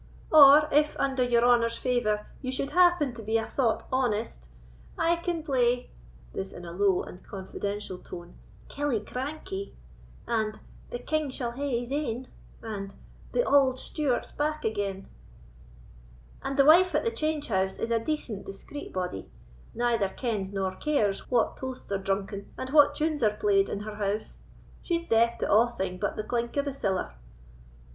"Or if, under your honour's favour, ye should happen to be a thought honest, I can play (this in a low and confidential tone) 'Killiecrankie,' and 'The King shall hae his ain,' and 'The Auld Stuarts back again'; and the wife at the change house is a decent, discreet body, neither kens nor cares what toasts are drucken, and what tunes are played, in her house: she's deaf to a'thing but the clink o' the siller."